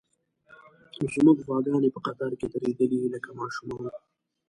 زموږ غواګانې په قطار کې درېدلې، لکه ماشومان.